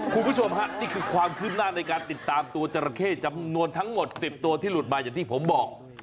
คุณผู้ชมฮะนี่คือความคืบหน้าในการติดตามตัวจราเข้จำนวนทั้งหมด๑๐ตัวที่หลุดมาอย่างที่ผมบอก